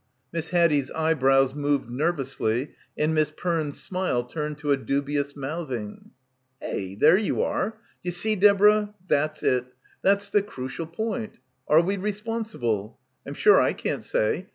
Miss Haddie's eyebrows moved nervously, and Miss Perne's smile turned to a dubious mouthing. "Eh, there you are. D'ye see, Deborah. That's it. That's the crucial point. Are we re sponsible? I'm sure I can't say.